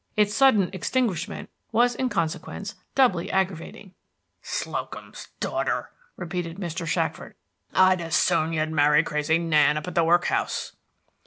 Its sudden extinguishment was in consequence doubly aggravating. "Slocum's daughter!" repeated Mr. Shackford. "I'd as soon you would marry Crazy Nan up at the work house."